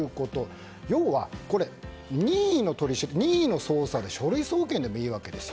要は、任意の捜査で書類送検でもいいわけです。